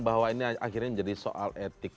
bahwa ini akhirnya menjadi soal etik